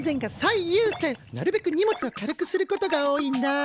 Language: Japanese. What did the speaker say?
なるべく荷物を軽くすることが多いんだ。